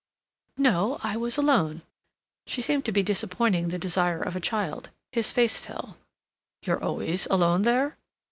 "No. I was alone." She seemed to be disappointing the desire of a child. His face fell. "You're always alone there?"